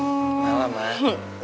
selamat malam mak